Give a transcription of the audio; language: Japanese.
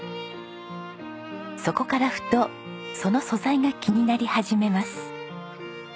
そこからふとその素材が気になり始めます。